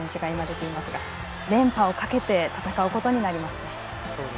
連覇をかけて戦うことになります。